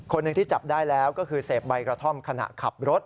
คนหนึ่งที่จับได้แล้วก็คือเสพใบกระท่อมขณะขับรถ